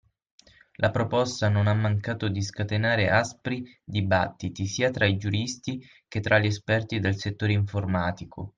La proposta non ha mancato di scatenare aspri dibattiti sia tra i giuristi che tra gli esperti del settore informatico.